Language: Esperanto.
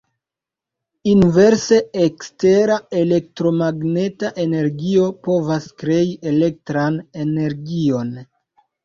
Inverse, ekstera elektromagneta energio povas krei elektran energion.